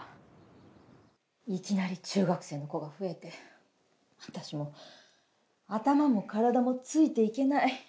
いきなり中学生の子が増えて私もう頭も体もついていけない。